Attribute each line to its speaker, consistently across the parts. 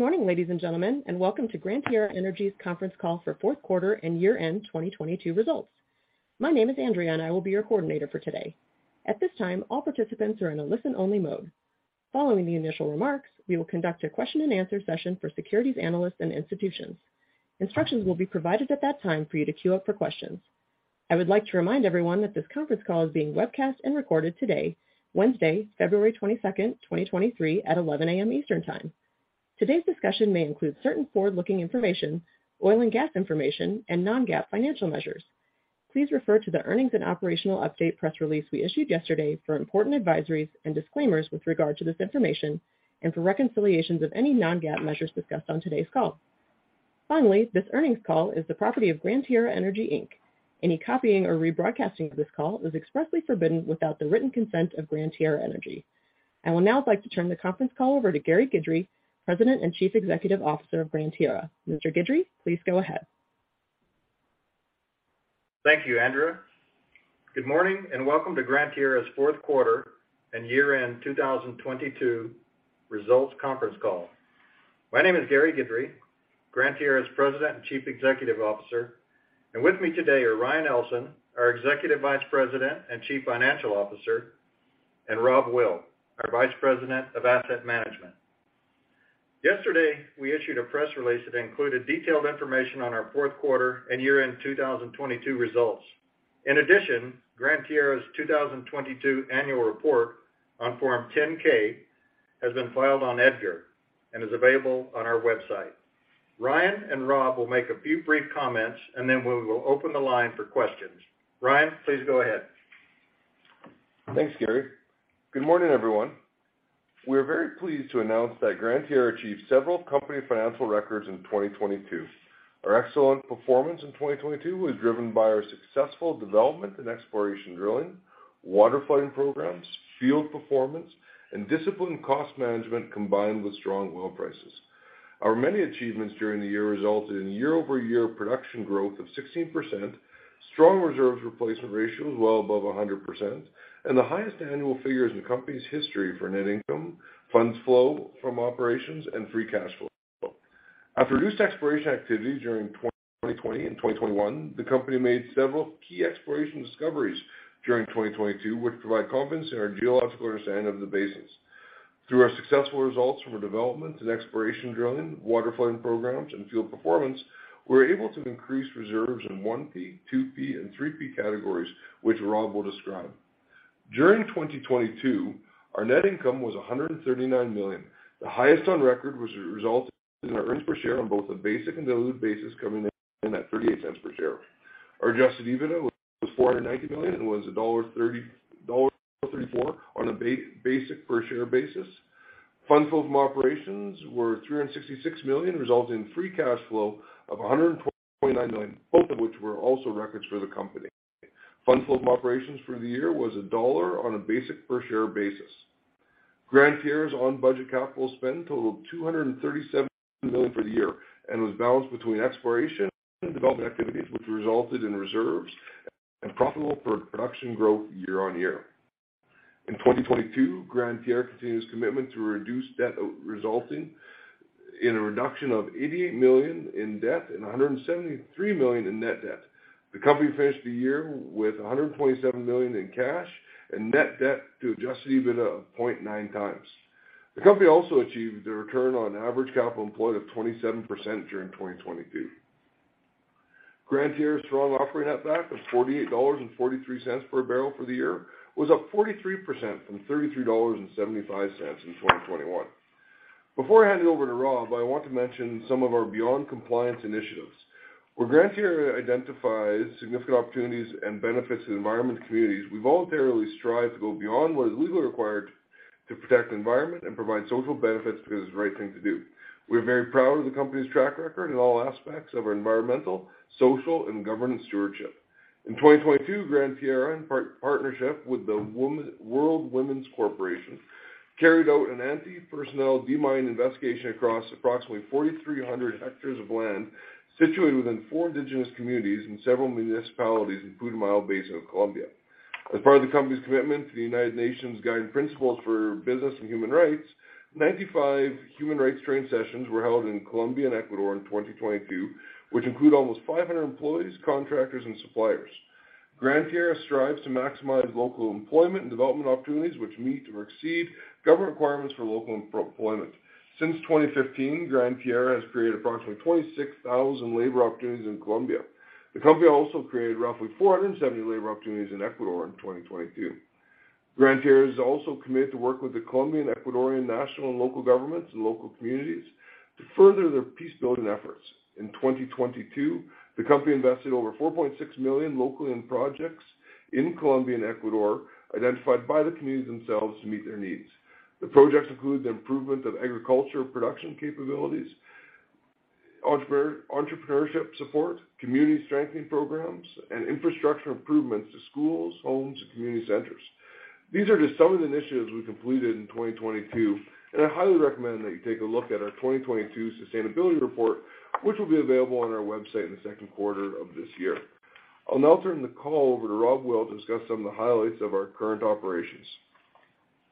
Speaker 1: Good morning, ladies and gentlemen, Welcome to Gran Tierra Energy's conference call for fourth quarter and year-end 2022 results. My name is Andrea, I will be your coordinator for today. At this time, all participants are in a listen-only mode. Following the initial remarks, we will conduct a question-and-answer session for securities analysts and institutions. Instructions will be provided at that time for you to queue up for questions. I would like to remind everyone that this conference call is being webcast and recorded today, Wednesday, February 22nd, 2023 at 11:00 A.M. Eastern Time. Today's discussion may include certain forward-looking information, oil and gas information, and non-GAAP financial measures. Please refer to the earnings and operational update press release we issued yesterday for important advisories and disclaimers with regard to this information and for reconciliations of any non-GAAP measures discussed on today's call. Finally, this earnings call is the property of Gran Tierra Energy Inc. Any copying or rebroadcasting of this call is expressly forbidden without the written consent of Gran Tierra Energy. I will now like to turn the conference call over to Gary Guidry, President and Chief Executive Officer of Gran Tierra. Mr. Guidry, please go ahead.
Speaker 2: Thank you, Andrea. Good morning, welcome to Gran Tierra's fourth quarter and year-end 2022 results conference call. My name is Gary Guidry, Gran Tierra's President and Chief Executive Officer. With me today are Ryan Ellson, our Executive Vice President and Chief Financial Officer, and Rob Will, our Vice President of Asset Management. Yesterday, we issued a press release that included detailed information on our fourth quarter and year-end 2022 results. In addition, Gran Tierra's 2022 annual report on Form 10-K has been filed on EDGAR and is available on our website. Ryan and Rob will make a few brief comments, then we will open the line for questions. Ryan, please go ahead.
Speaker 3: Thanks, Gary. Good morning, everyone. We're very pleased to announce that Gran Tierra achieved several company financial records in 2022. Our excellent performance in 2022 was driven by our successful development in exploration drilling, water flooding programs, field performance, and disciplined cost management combined with strong oil prices. Our many achievements during the year resulted in year-over-year production growth of 16%, strong reserves replacement ratios well above 100%, and the highest annual figures in the company's history for net income, funds flow from operations, and free cash flow. After reduced exploration activity during 2020 and 2021, the company made several key exploration discoveries during 2022, which provide confidence in our geological understanding of the basins. Through our successful results from our development and exploration drilling, waterflood programs, and field performance, we're able to increase reserves in 1P, 2P, and 3P categories, which Rob Will describe. During 2022, our net income was $139 million, the highest on record, which resulted in our earnings per share on both a basic and dilute basis coming in at $0.38 per share. Our adjusted EBITDA was $490 million and was $1.34 on a basic per share basis. Funds flow from operations were $366 million, resulting in free cash flow of $129 million, both of which were also records for the company. Funds flow from operations for the year was $1.00 on a basic per share basis. Gran Tierra's on-budget capital spend totaled $237 million for the year and was balanced between exploration and development activities, which resulted in reserves and profitable pro-production growth year-on-year. 2022, Gran Tierra continued its commitment to reduce debt, resulting in a reduction of $88 million in debt and $173 million in net debt. The company finished the year with $127 million in cash and net debt to adjusted EBITDA of 0.9 times. The company also achieved a return on average capital employed of 27% during 2022. Gran Tierra's strong operating netback of $48.43 per barrel for the year was up 43% from $33.75 in 2021. Before I hand it over to Rob, I want to mention some of our beyond compliance initiatives. Where Gran Tierra identifies significant opportunities and benefits to the environment and communities, we voluntarily strive to go beyond what is legally required to protect the environment and provide social benefits because it's the right thing to do. We're very proud of the company's track record in all aspects of our environmental, social, and governance stewardship. In 2022, Gran Tierra, in partnership with the World Women's Corporation, carried out an anti-personnel de-mine investigation across approximately 4,300 hectares of land situated within four indigenous communities and several municipalities in Putumayo Basin of Colombia. As part of the company's commitment to the United Nations Guiding Principles on Business and Human Rights, 95 human rights training sessions were held in Colombia and Ecuador in 2022, which include almost 500 employees, contractors, and suppliers. Gran Tierra strives to maximize local employment and development opportunities which meet or exceed government requirements for local employment. Since 2015, Gran Tierra has created approximately 26,000 labor opportunities in Colombia. The company also created roughly 470 labor opportunities in Ecuador in 2022. Gran Tierra is also committed to work with the Colombian, Ecuadorian national and local governments and local communities to further their peacebuilding efforts. In 2022, the company invested over $4.6 million locally in projects in Colombia and Ecuador identified by the communities themselves to meet their needs. The projects include the improvement of agriculture production capabilities, entrepreneurship support, community strengthening programs, and infrastructure improvements to schools, homes, and community centers. These are just some of the initiatives we completed in 2022. I highly recommend that you take a look at our 2022 sustainability report, which will be available on our website in the second quarter of this year. I'll now turn the call over to Rob Will to discuss some of the highlights of our current operations.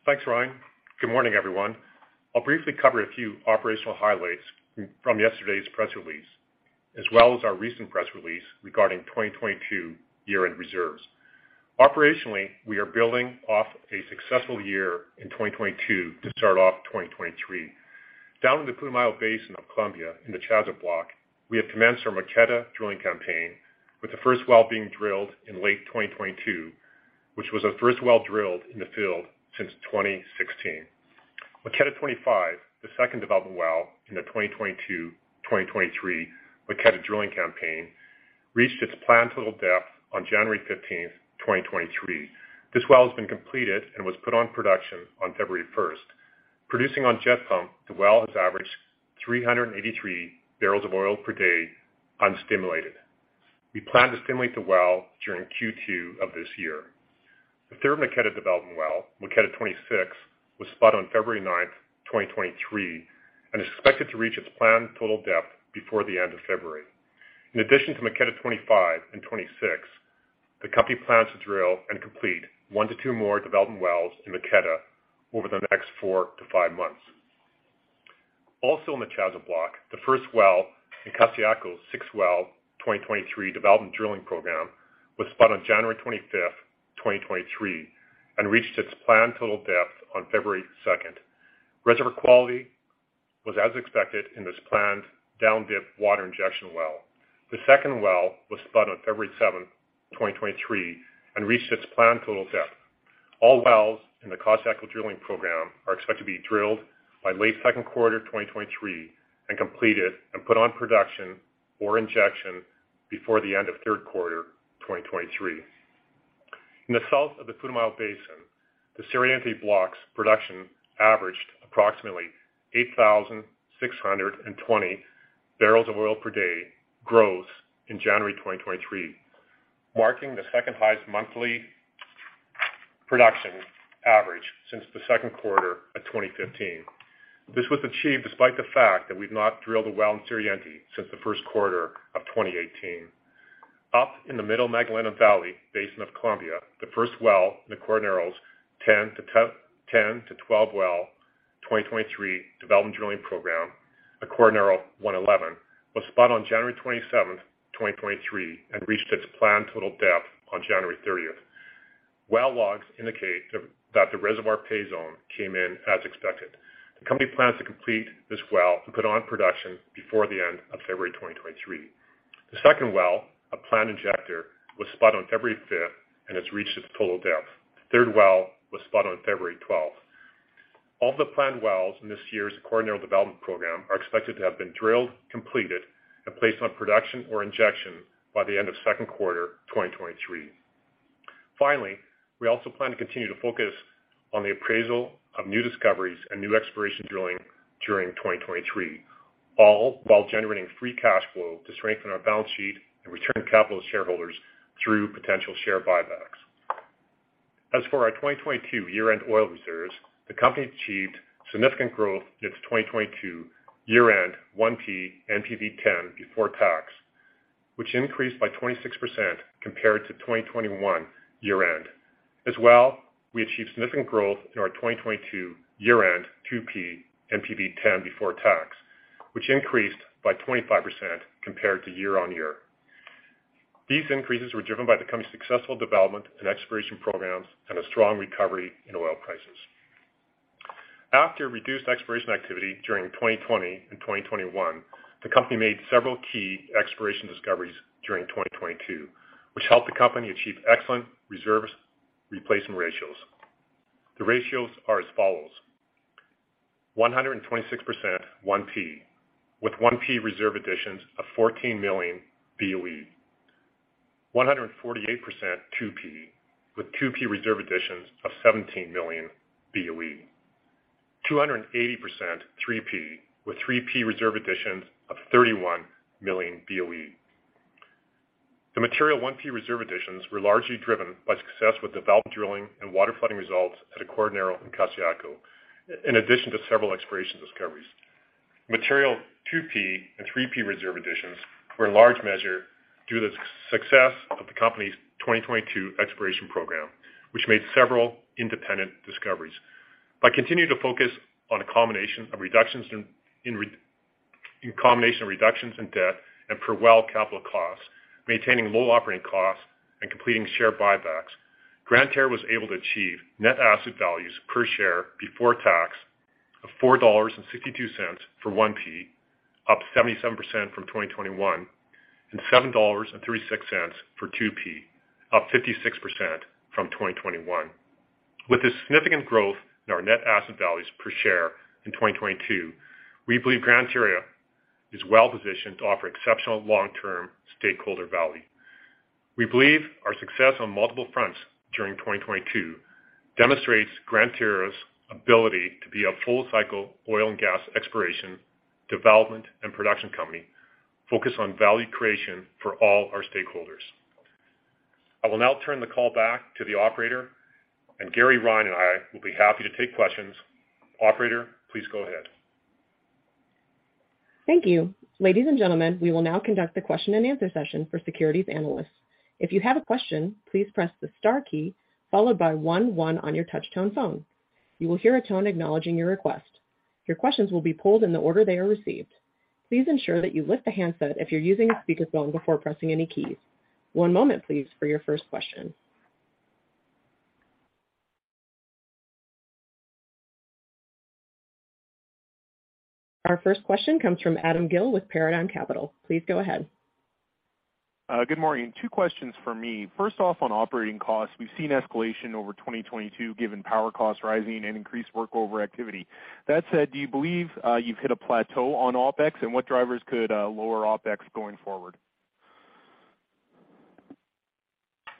Speaker 4: Thanks, Ryan. Good morning, everyone. I'll briefly cover a few operational highlights from yesterday's press release, as well as our recent press release regarding 2022 year-end reserves. Operationally, we are building off a successful year in 2022 to start off 2023. Down in the Putumayo Basin of Colombia in the Chaza Block, we have commenced our Maqueta drilling campaign, with the first well being drilled in late 2022, which was the first well drilled in the field since 2016. Maqueta 25, the second development well in the 2022/2023 Maqueta drilling campaign, reached its planned total depth on January 15th, 2023. This well has been completed and was put on production on February 1st. Producing on jet pump, the well has averaged 383 barrels of oil per day unstimulated. We plan to stimulate the well during Q2 of this year. The third Maqueta development well, Maqueta 26, was spot on February 9th, 2023, and is expected to reach its planned total depth before the end of February. In addition to Maqueta 25 and 26, the company plans to drill and complete 1 to 2 more development wells in Maqueta over the next four to five months. Also in the Chaza Block, the first well in Costayaco 6, well 2023 development drilling program, was spot on January 25th, 2023, and reached its planned total depth on February 2nd. Reservoir quality was as expected in this planned downdip water injection well. The second well was spot on February 7th, 2023, and reached its planned total depth. All wells in the Costayaco drilling program are expected to be drilled by late second quarter 2023 and completed and put on production or injection before the end of third quarter 2023. In the south of the Putumayo Basin, the Suroriente block's production averaged approximately 8,620 barrels of oil per day growth in January 2023, marking the second highest monthly production average since the second quarter of 2015. This was achieved despite the fact that we've not drilled a well in Suroriente since the first quarter of 2018. Up in the Middle Magdalena Valley Basin of Colombia, the first well in the Corneros ten to 12 well 2023 development drilling program at Cornero 111 was spot on January 27th, 2023, and reached its planned total depth on January 30th. Well logs indicate that the reservoir pay zone came in as expected. The company plans to complete this well and put on production before the end of February 2023. The second well, a planned injector, was spot on February 5th and has reached its total depth. The third well was spot on February 12th. All the planned wells in this year's Cornero development program are expected to have been drilled, completed, and placed on production or injection by the end of second quarter 2023. Finally, we also plan to continue to focus on the appraisal of new discoveries and new exploration drilling during 2023, all while generating free cash flow to strengthen our balance sheet and return capital to shareholders through potential share buybacks. As for our 2022 year-end oil reserves, the company achieved significant growth in its 2022 year-end 1P NPV10 before tax, which increased by 26% compared to 2021 year-end. As well, we achieved significant growth in our 2022 year-end 2P NPV10 before tax, which increased by 25% compared to year-on-year. These increases were driven by the company's successful development and exploration programs and a strong recovery in oil prices. After reduced exploration activity during 2020 and 2021, the company made several key exploration discoveries during 2022, which helped the company achieve excellent reserves replacement ratios. The ratios are as follows: 126% 1P, with 1P reserve additions of 14 million BOE. 148% 2P, with 2P reserve additions of 17 million BOE. 280% 3P, with 3P reserve additions of 31 million BOE. The material 1P reserve additions were largely driven by success with development drilling and waterflooding results at Costayaco in Costayaco, in addition to several exploration discoveries. Material 2P and 3P reserve additions were in large measure due to the success of the company's 2022 exploration program, which made several independent discoveries. By continuing to focus on a combination of reductions in debt and per well capital costs, maintaining low operating costs, and completing share buybacks, Gran Tierra was able to achieve net asset values per share before tax of $4.62 for 1P, up 77% from 2021, and $7.36 for 2P, up 56% from 2021. With this significant growth in our net asset values per share in 2022, we believe Gran Tierra is well-positioned to offer exceptional long-term stakeholder value. We believe our success on multiple fronts during 2022 demonstrates Gran Tierra's ability to be a full cycle oil and gas exploration, development, and production company focused on value creation for all our stakeholders. I will now turn the call back to the operator, Gary, Ryan, and I will be happy to take questions. Operator, please go ahead.
Speaker 1: Thank you. Ladies and gentlemen, we will now conduct the question-and-answer session for securities analysts. If you have a question, please press the star key followed by one one on your touchtone phone. You will hear a tone acknowledging your request. Your questions will be pulled in the order they are received. Please ensure that you lift the handset if you're using a speakerphone before pressing any keys. One moment please, for your first question. Our first question comes from Adam Gill with Paradigm Capital. Please go ahead.
Speaker 5: Good morning. Two questions for me. First off, on operating costs. We've seen escalation over 2022 given power costs rising and increased work over activity. That said, do you believe you've hit a plateau on OpEx? What drivers could lower OpEx going forward?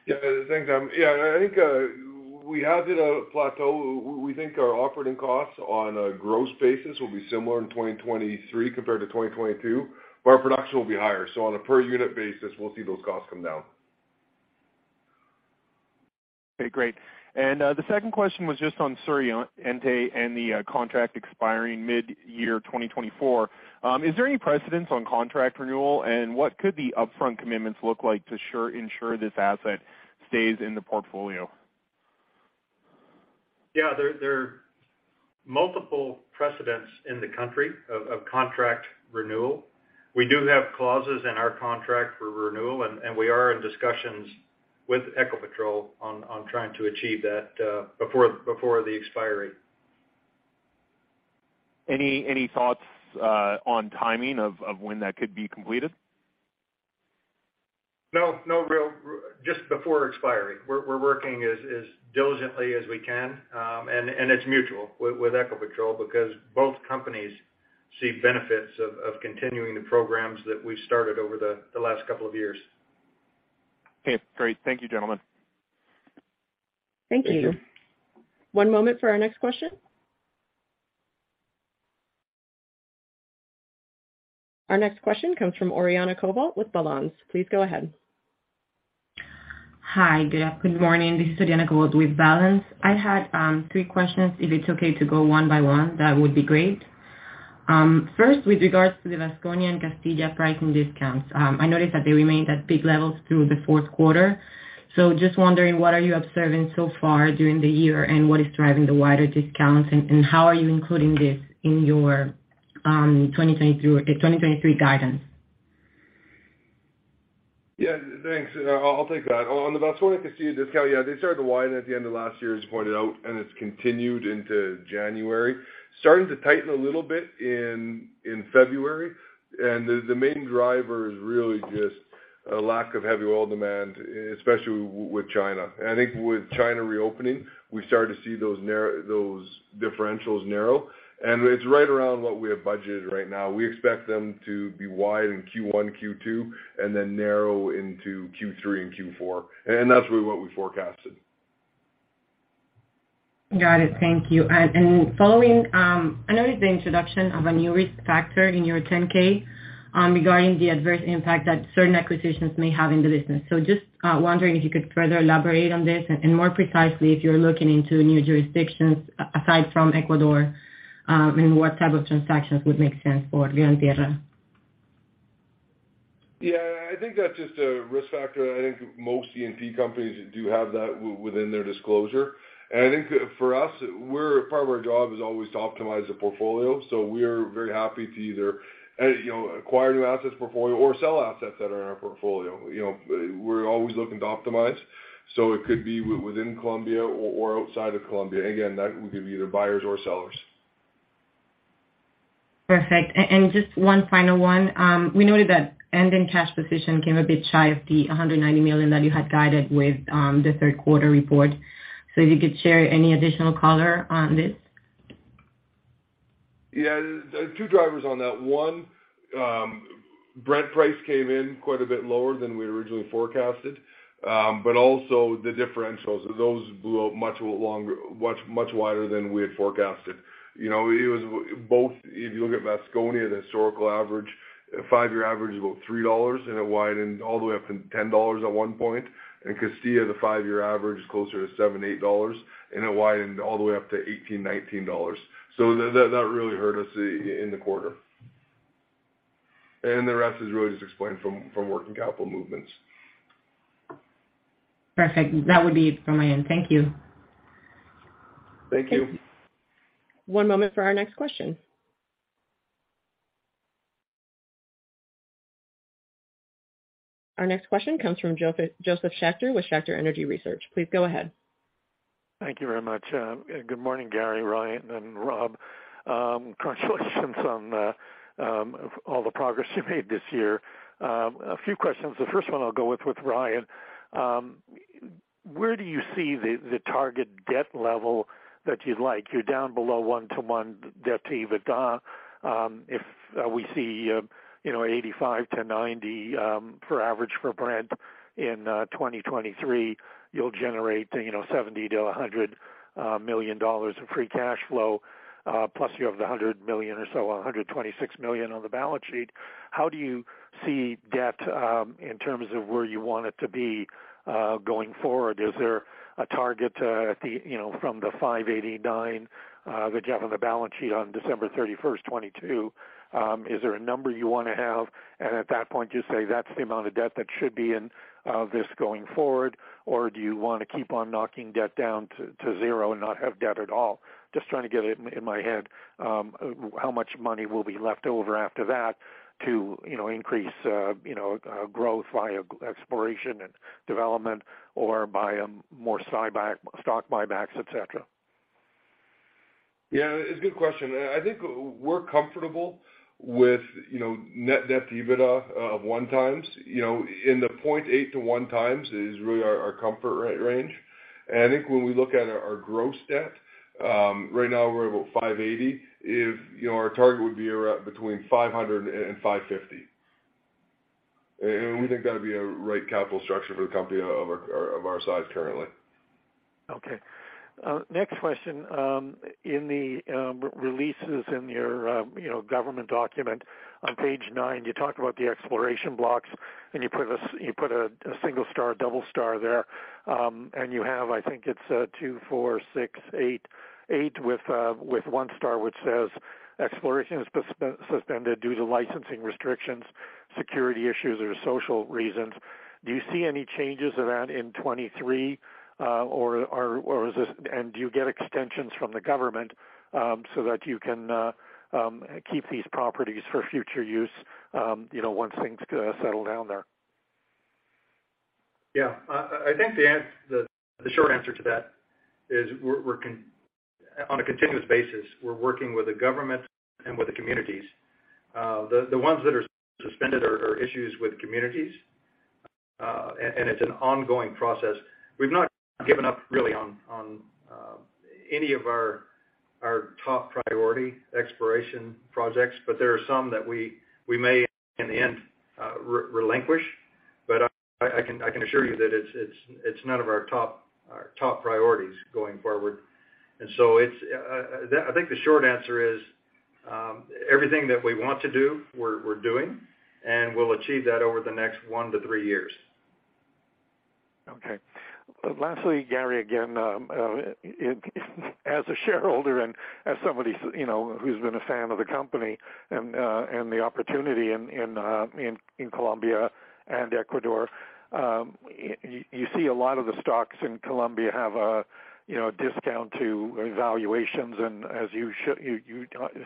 Speaker 3: Thanks, Adam. I think we have hit a plateau. We think our operating costs on a gross basis will be similar in 2023 compared to 2022, but our production will be higher, so on a per unit basis, we'll see those costs come down.
Speaker 5: Okay, great. The second question was just on Suroriente and the contract expiring midyear 2024. Is there any precedence on contract renewal, and what could the upfront commitments look like to ensure this asset stays in the portfolio?
Speaker 2: Yeah. There are multiple precedents in the country of contract renewal. We do have clauses in our contract for renewal, and we are in discussions with Ecopetrol on trying to achieve that before the expiry.
Speaker 5: Any thoughts on timing of when that could be completed?
Speaker 2: No. Just before expiry. We're working as diligently as we can. It's mutual with Ecopetrol because both companies see benefits of continuing the programs that we've started over the last couple of years.
Speaker 5: Okay, great. Thank you, gentlemen.
Speaker 1: Thank you.
Speaker 3: Thank you.
Speaker 1: One moment for our next question. Our next question comes from Oriana Covault with Balanz. Please go ahead.
Speaker 6: Hi. Good morning. This is Oriana Covault with Balanz. I had, three questions, if it's okay to go one by one, that would be great. First, with regards to the Vasconia and Castilla pricing discounts, I noticed that they remained at peak levels through the fourth quarter. Just wondering, what are you observing so far during the year, and what is driving the wider discounts, and how are you including this in your, 2022-2023 guidance?
Speaker 3: Yeah, thanks. I'll take that. On the Vasconia-Castilla discount, yeah, they started to widen at the end of last year, as you pointed out, and it's continued into January. Starting to tighten a little bit in February. The main driver is really just a lack of heavy oil demand, especially with China. I think with China reopening, we started to see those differentials narrow. It's right around what we have budgeted right now. We expect them to be wide in Q1, Q2, and then narrow into Q3 and Q4. That's really what we forecasted.
Speaker 6: Got it. Thank you. And following, I noticed the introduction of a new risk factor in your 10-K, regarding the adverse impact that certain acquisitions may have in the business. Just wondering if you could further elaborate on this and more precisely if you're looking into new jurisdictions aside from Ecuador, and what type of transactions would make sense for Gran Tierra.
Speaker 3: Yeah, I think that's just a risk factor that I think most E&P companies do have that within their disclosure. I think for us, part of our job is always to optimize the portfolio. We're very happy to either, you know, acquire new assets portfolio or sell assets that are in our portfolio. You know, we're always looking to optimize. It could be within Colombia or outside of Colombia. Again, that could be either buyers or sellers.
Speaker 6: Perfect. Just one final one. We noted that ending cash position came a bit shy of the $190 million that you had guided with the third quarter report. If you could share any additional color on this?
Speaker 3: Yeah. Two drivers on that. One, Brent price came in quite a bit lower than we originally forecasted, but also the differentials, those blew out much, much wider than we had forecasted. You know, it was both, if you look at Vasconia, the historical average, five-year average is about $3, and it widened all the way up to $10 at one point. Castilla, the five-year average is closer to $7-$8, and it widened all the way up to $18-$19. That really hurt us in the quarter. The rest is really just explained from working capital movements.
Speaker 6: Perfect. That would be it from my end. Thank you.
Speaker 3: Thank you.
Speaker 1: One moment for our next question. Our next question comes from Josef Schachter with Schachter Energy Research. Please go ahead.
Speaker 7: Thank you very much. Good morning, Gary, Ryan, and Rob. Congratulations on all the progress you made this year. A few questions. The first one I'll go with Ryan. Where do you see the target debt level that you'd like? You're down below one to one debt to EBITDA. If we see, you know, $85-$90 for average for Brent in 2023, you'll generate, you know, $70 million-$100 million of free cash flow, plus you have the $100 million or so, $126 million on the balance sheet. How do you see debt in terms of where you want it to be going forward? Is there a target, at the, you know, from the $589, the debt on the balance sheet on December 31st, 2022? Is there a number you wanna have, and at that point, just say that's the amount of debt that should be in this going forward? Do you wanna keep on knocking debt down to zero and not have debt at all? Just trying to get it in my head, how much money will be left over after that to, you know, increase, you know, growth via exploration and development or buy, more stock buybacks, et cetera?
Speaker 3: Yeah, it's a good question. I think we're comfortable with, you know, net debt to EBITDA of 1x. In the 0.8-1x is really our comfort range. I think when we look at our gross debt, right now we're about $580. If, you know, our target would be around between $500 and $550. We think that'd be a right capital structure for the company of our size currently.
Speaker 7: Okay. Next question. In the re-releases in your, you know, government document on page nine, you talk about the exploration blocks, and you put a single star, double star there. You have, I think it's two, four, six, eight with one star which says exploration is suspended due to licensing restrictions, security issues or social reasons. Do you see any changes of that in 2023? Do you get extensions from the government so that you can keep these properties for future use, you know, once things settle down there?
Speaker 2: I think the short answer to that is on a continuous basis, we're working with the government and with the communities. The ones that are suspended are issues with communities, and it's an ongoing process. We've not given up really on any of our top priority exploration projects, but there are some that we may in the end relinquish. I can assure you that it's none of our top priorities going forward. It's I think the short answer is everything that we want to do, we're doing, and we'll achieve that over the next one to three years.
Speaker 7: Okay. Lastly, Gary, again, as a shareholder and as somebody you know, who's been a fan of the company and the opportunity in Colombia and Ecuador, you see a lot of the stocks in Colombia have a, you know, discount to valuations. As you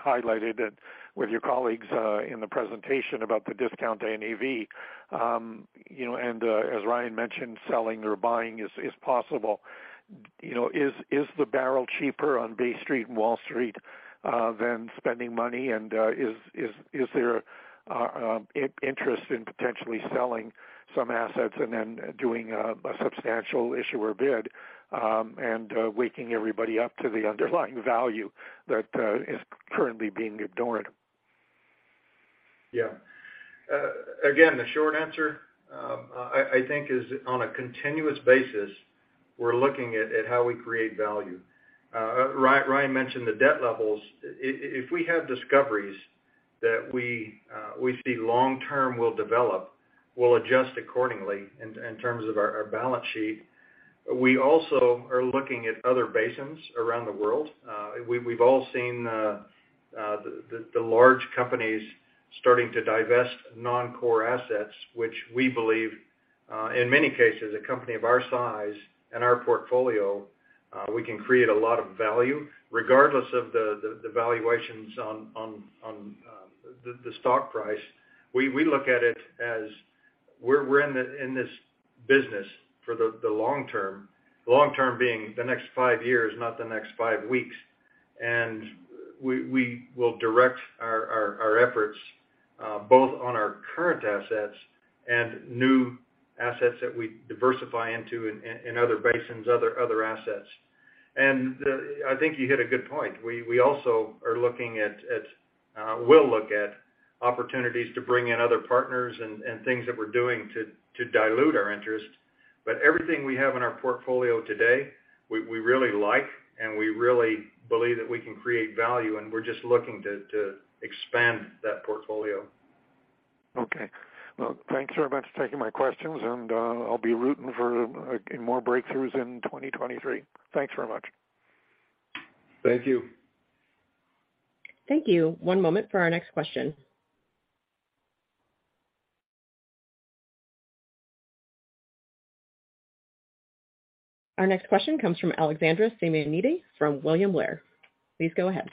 Speaker 7: highlighted it with your colleagues in the presentation about the discount to NAV. You know, as Ryan mentioned, selling or buying is possible. You know, is the barrel cheaper on Bay Street and Wall Street than spending money? Is there interest in potentially selling some assets and then doing a substantial issuer bid, and waking everybody up to the underlying value that is currently being ignored?
Speaker 2: Yeah. Again, the short answer, I think is on a continuous basis, we're looking at how we create value. Ryan mentioned the debt levels. If we have discoveries that we see long term will develop, we'll adjust accordingly in terms of our balance sheet. We also are looking at other basins around the world. We've all seen the large companies starting to divest non-core assets, which we believe, in many cases, a company of our size and our portfolio, we can create a lot of value regardless of the valuations on the stock price. We look at it as we're in this business for the long term, long term being the next five years, not the next five weeks. We will direct our efforts, both on our current assets and new assets that we diversify into in other basins, other assets. I think you hit a good point. We also are looking at, will look at opportunities to bring in other partners and things that we're doing to dilute our interest. Everything we have in our portfolio today, we really like, and we really believe that we can create value, and we're just looking to expand that portfolio.
Speaker 7: Okay. Well, thanks very much for taking my questions, and I'll be rooting for more breakthroughs in 2023. Thanks very much.
Speaker 2: Thank you.
Speaker 1: Thank you. One moment for our next question. Our next question comes from Alexandra Symeonidi from William Blair. Please go ahead.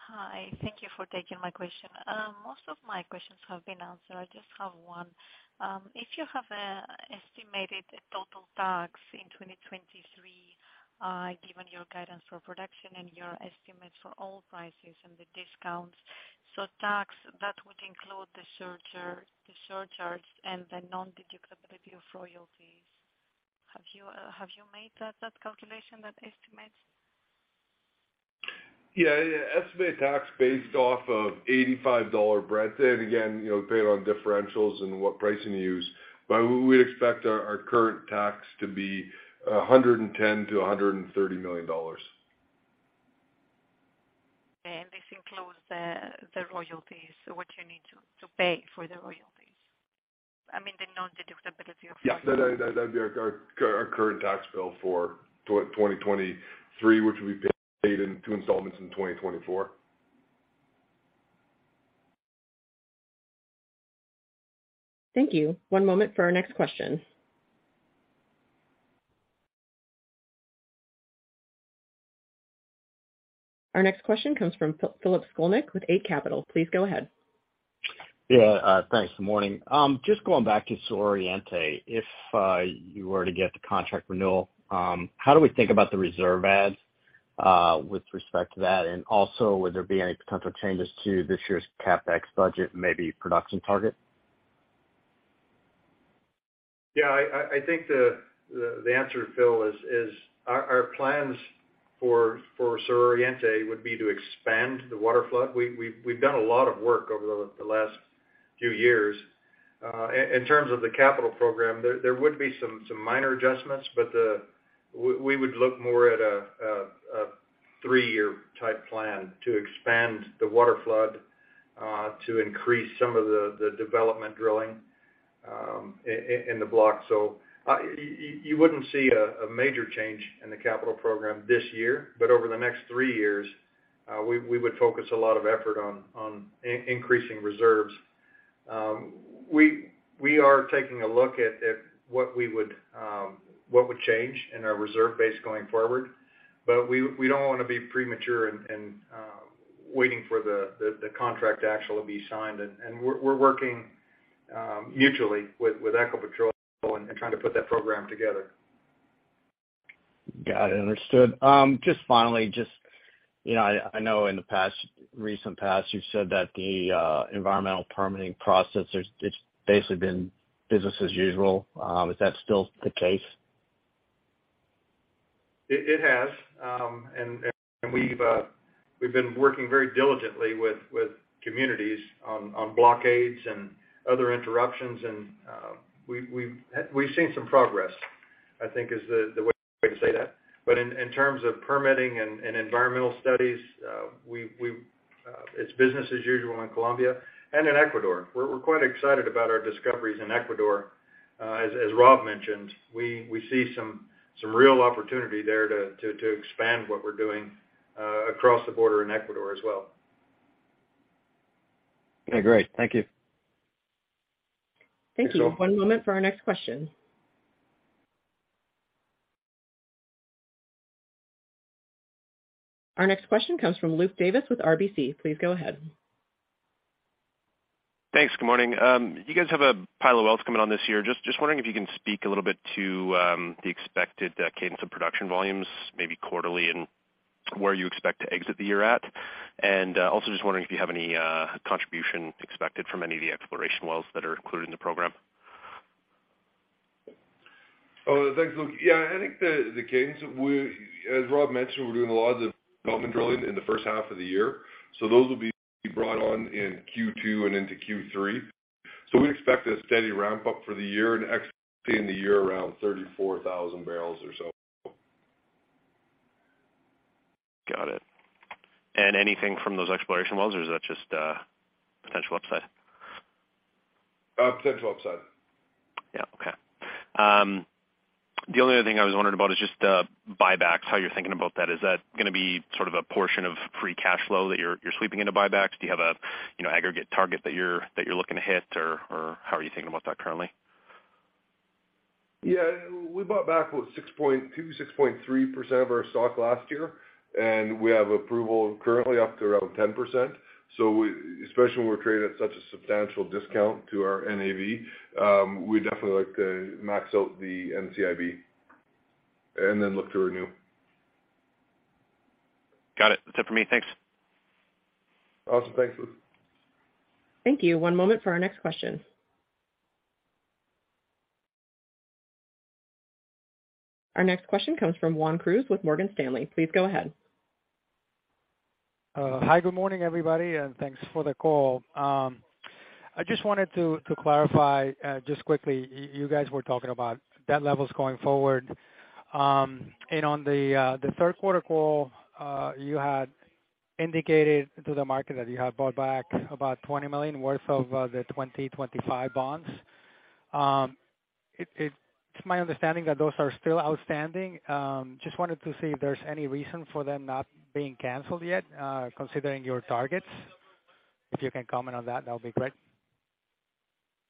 Speaker 8: Hi. Thank you for taking my question. Most of my questions have been answered. I just have one. If you have estimated total tax in 2023, given your guidance for production and your estimates for all prices and the discounts, so tax that would include the surcharges and the non-deductibility of royalties. Have you made that calculation, that estimate?
Speaker 3: Yeah. Estimated tax based off of $85 Brent. Again, you know, depending on differentials and what pricing you use. We expect our current tax to be $110 million-$130 million.
Speaker 8: This includes the royalties, what you need to pay for the royalties. I mean, the non-deductibility of royalties.
Speaker 3: Yeah. That'd be our current tax bill for 2023, which will be paid in two installments in 2024.
Speaker 1: Thank you. One moment for our next question. Our next question comes from Philip Skolnick with Eight Capital. Please go ahead.
Speaker 9: Yeah. Thanks. Morning. Just going back to Suro. If you were to get the contract renewal, how do we think about the reserve adds with respect to that? Also, would there be any potential changes to this year's CapEx budget, maybe production target?
Speaker 2: I think the answer, Phil, is our plans for Suroriente would be to expand the waterflood. We've done a lot of work over the last few years. In terms of the capital program, there would be some minor adjustments, but we would look more at a three-year type plan to expand the waterflood, to increase some of the development drilling in the block. You wouldn't see a major change in the capital program this year, but over the next three years, we would focus a lot of effort on increasing reserves. We are taking a look at what we would what would change in our reserve base going forward. We don't wanna be premature and waiting for the contract to actually be signed. We're working mutually with Ecopetrol and trying to put that program together.
Speaker 9: Got it. Understood. Just finally, just, you know, I know in the past, recent past, you've said that the environmental permitting process, it's basically been business as usual. Is that still the case?
Speaker 2: It has. We've been working very diligently with communities on blockades and other interruptions. We've seen some progress, I think is the way to say that. In terms of permitting and environmental studies, it's business as usual in Colombia and in Ecuador. We're quite excited about our discoveries in Ecuador. As Rob mentioned, we see some real opportunity there to expand what we're doing across the border in Ecuador as well.
Speaker 9: Okay, great. Thank you.
Speaker 1: Thank you.
Speaker 2: Thanks, Phil.
Speaker 1: One moment for our next question. Our next question comes from Luke Davis with RBC. Please go ahead.
Speaker 10: Thanks. Good morning. You guys have a pile of wells coming on this year. Just wondering if you can speak a little bit to the expected cadence of production volumes, maybe quarterly and where you expect to exit the year at. Also just wondering if you have any contribution expected from any of the exploration wells that are included in the program?
Speaker 2: Thanks, Luke. Yeah. I think the gains as Rob mentioned, we're doing a lot of development drilling in the first half of the year, those will be brought on in Q2 and into Q3. We expect a steady ramp up for the year and exiting the year around 34,000 barrels or so.
Speaker 10: Got it. Anything from those exploration wells or is that just potential upside?
Speaker 2: potential upside.
Speaker 10: Yeah. Okay. The only other thing I was wondering about is just buybacks, how you're thinking about that. Is that gonna be sort of a portion of free cash flow that you're sweeping into buybacks? Do you have a, you know, aggregate target that you're, that you're looking to hit? Or how are you thinking about that currently?
Speaker 2: Yeah. We bought back, what? 6.2%-6.3% of our stock last year, and we have approval currently up to around 10%. Especially when we're trading at such a substantial discount to our NAV, we'd definitely like to max out the NCIB and then look to renew.
Speaker 10: Got it. That's it for me. Thanks.
Speaker 2: Awesome. Thanks, Luke.
Speaker 1: Thank you. One moment for our next question. Our next question comes from Juan Cruz with Morgan Stanley. Please go ahead.
Speaker 11: Hi. Good morning, everybody, and thanks for the call. I just wanted to clarify, just quickly, you guys were talking about debt levels going forward. On the third quarter call, you had indicated to the market that you have bought back about $20 million worth of the 2025 bonds. It's my understanding that those are still outstanding. Just wanted to see if there's any reason for them not being canceled yet, considering your targets. If you can comment on that would be great.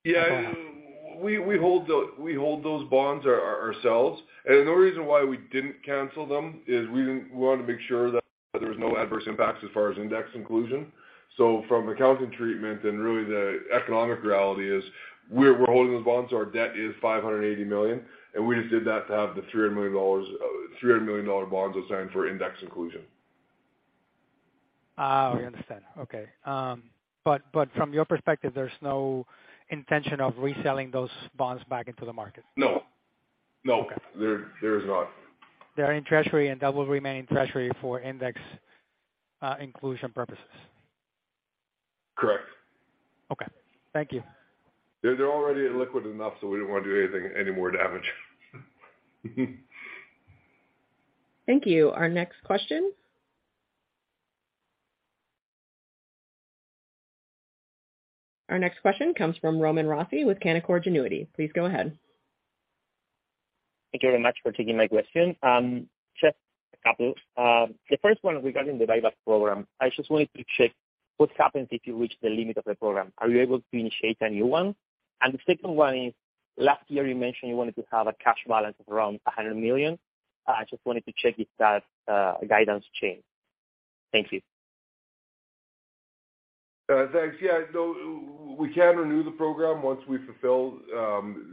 Speaker 2: Yeah. We hold those bonds our, ourselves. The reason why we didn't cancel them is we wanna make sure that there was no adverse impacts as far as index inclusion. From accounting treatment and really the economic reality is we're holding those bonds, so our debt is $580 million, and we just did that to have the $300 million, $300 million dollar bonds assigned for index inclusion.
Speaker 11: I understand. Okay. From your perspective, there's no intention of reselling those bonds back into the market?
Speaker 2: No. No.
Speaker 11: Okay.
Speaker 2: There is not.
Speaker 11: They're in treasury and that will remain in treasury for index inclusion purposes.
Speaker 2: Correct.
Speaker 11: Okay. Thank you.
Speaker 2: They're already illiquid enough, so we don't wanna do anything, any more damage.
Speaker 1: Thank you. Our next question comes from Roman Rossi with Canaccord Genuity. Please go ahead.
Speaker 12: Thank you very much for taking my question. Just a couple. The first one regarding the buyback program. I just wanted to check what happens if you reach the limit of the program. Are you able to initiate a new one? The second one is, last year you mentioned you wanted to have a cash balance of around $100 million. I just wanted to check if that guidance changed. Thank you.
Speaker 2: Thanks. Yeah, no, we can renew the program once we fulfill,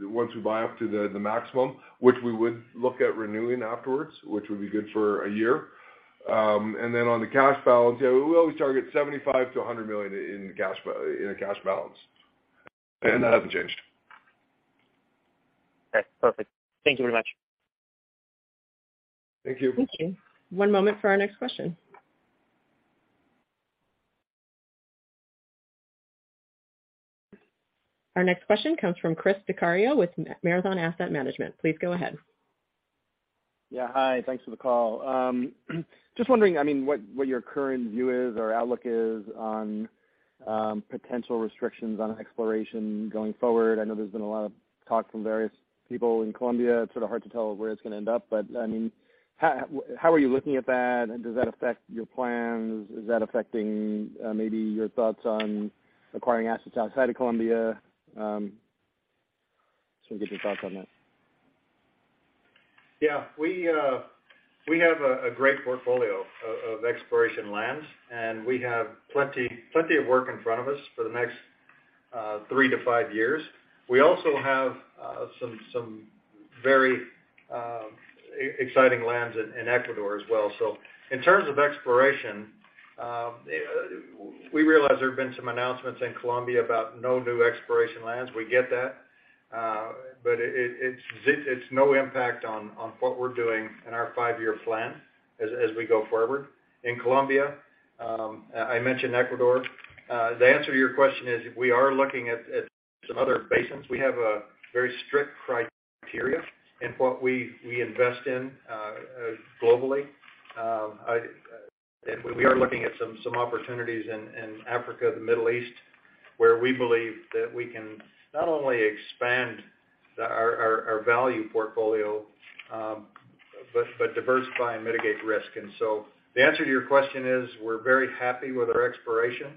Speaker 2: once we buy up to the maximum, which we would look at renewing afterwards, which would be good for one year. On the cash balance, yeah, we always target $75 million-$100 million in a cash balance, and that hasn't changed.
Speaker 12: Okay, perfect. Thank you very much.
Speaker 2: Thank you.
Speaker 1: Thank you. One moment for our next question. Our next question comes from Chris Dechiario with Marathon Asset Management. Please go ahead.
Speaker 13: Yeah. Hi. Thanks for the call. just wondering, I mean, what your current view is or outlook is on potential restrictions on exploration going forward? I know there's been a lot of talk from various people in Colombia. It's sort of hard to tell where it's gonna end up, but, I mean, how are you looking at that? Does that affect your plans? Is that affecting, maybe your thoughts on acquiring assets outside of Colombia? just wanna get your thoughts on that?
Speaker 2: Yeah. We have a great portfolio of exploration lands, and we have plenty of work in front of us for the next three to five years. We also have some very exciting lands in Ecuador as well. In terms of exploration, we realize there have been some announcements in Colombia about no new exploration lands. We get that. It's no impact on what we're doing in our five-year plan as we go forward in Colombia. I mentioned Ecuador. The answer to your question is we are looking at some other basins. We have a very strict criteria in what we invest in globally. We are looking at some opportunities in Africa, the Middle East, where we believe that we can not only expand our value portfolio, but diversify and mitigate risk. The answer to your question is we're very happy with our exploration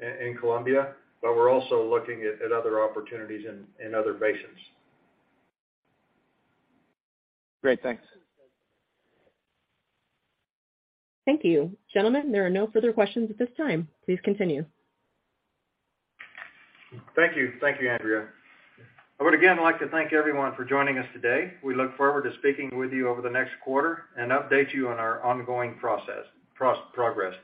Speaker 2: in Colombia, but we're also looking at other opportunities in other basins.
Speaker 13: Great. Thanks.
Speaker 1: Thank you. Gentlemen, there are no further questions at this time. Please continue.
Speaker 2: Thank you. Thank you, Andrea. I would again like to thank everyone for joining us today. We look forward to speaking with you over the next quarter and update you on our ongoing progress.